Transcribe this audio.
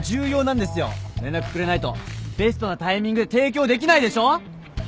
連絡くれないとベストなタイミングで提供できないでしょ？